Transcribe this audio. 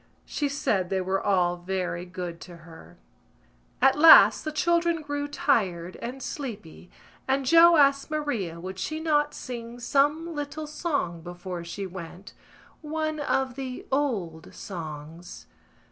She said they were all very good to her. At last the children grew tired and sleepy and Joe asked Maria would she not sing some little song before she went, one of the old songs.